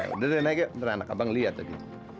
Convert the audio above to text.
udah deh naik ya abang liat tadi